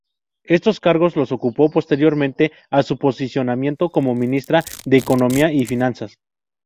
Estos cargos los ocupó posteriormente a su posicionamiento como Ministra de Economía y Finanzas.